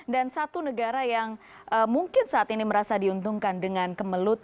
dan satu negara yang mungkin saat ini merasa diuntungkan dengan kemelut